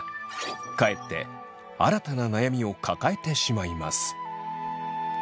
かえって新たな悩みを抱えてしまいます。